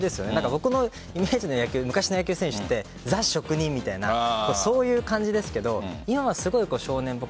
僕のイメージの野球昔の野球選手ザ・職人みたいそういう感じですけど今はすごく少年ぽく